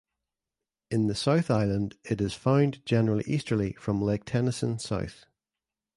In the South Island it is found generally easterly from Lake Tennyson south.